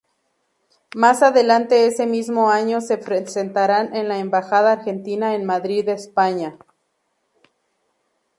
Más adelante ese mismo año se presentarán en la Embajada Argentina en Madrid, España.